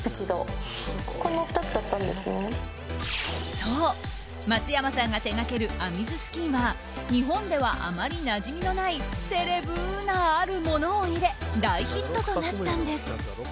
そう、松山さんが手がけるａｍｉｓｓｋｉｎは日本ではあまりなじみのないセレブなあるものを入れ大ヒットとなったんです。